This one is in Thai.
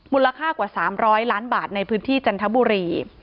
มูลค่ากว่า๓๐๐ล้านบาทในพื้นที่จันทบุรี